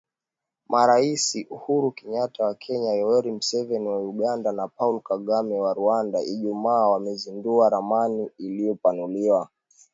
Marais Uhuru Kenyata wa Kenya, Yoweri Museveni wa Uganda, na Paul Kagame wa Rwanda Ijumaa wamezindua ramani iliyopanuliwa